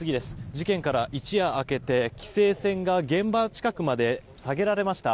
事件から一夜明けて規制線が現場近くまで下げられました。